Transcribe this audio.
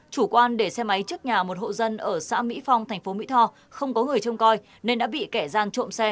chủ quan để xe máy trước nhà một hộ dân ở xã mỹ phong tp mỹ tho không có người trông coi nên đã bị kẻ gian trộm xe